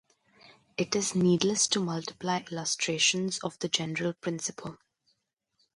It is needless to multiply illustrations of the general principle.